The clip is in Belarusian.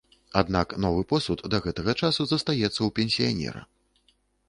Аднак, новы посуд да гэтага часу застаецца ў пенсіянера.